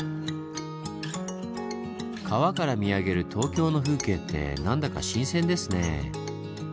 川から見上げる東京の風景ってなんだか新鮮ですねぇ。